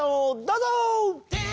どうぞ！